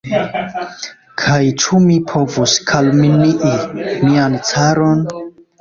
Kaj ĉu mi povus kalumnii mian caron?